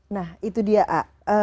nah itu dia